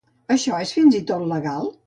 Això és fins i tot legal?